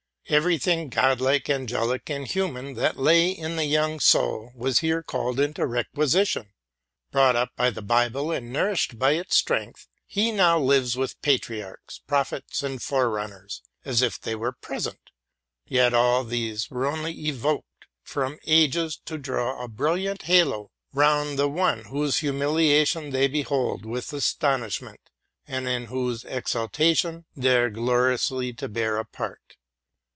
Every thing Godlike, angelic, and human that lay in the young soul was here called into requisition. Brought up by the Bible and nourished by its strength, he now lives with patriarchs, prophets, and forerunners, as if they were present; yet all these are only evoked from ages to draw a bright halo round the One whose humiliation they behold with astonishment, and in whose exaltation they are gloriously to bear a part.